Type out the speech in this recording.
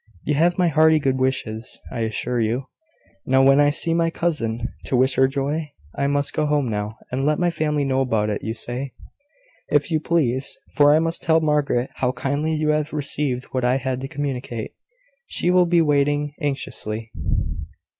You have my hearty good wishes, I assure you. Now, when may I see my cousin, to wish her joy? I must go home now, and let my family know about it, you say?" "If you please; for I must tell Margaret how kindly you have received what I had to communicate. She will be waiting anxiously."